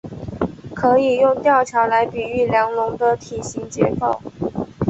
可以用吊桥来比喻梁龙的体型结构。